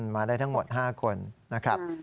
มาได้ทั้งหมด๕คนนะครับ